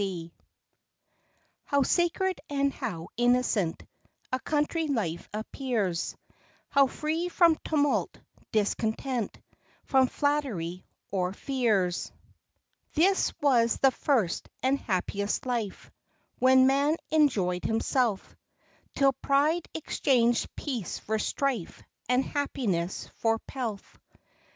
T T OW sacred and how innocent A country life appears, How free from tumult, discontent, From flattery or fears ! 20 6 FROM QUEENS' GARDENS. This was the first and happiest life, When man enjoy'd himself, Till pride exchanged peace for strife, And happiness for pelf.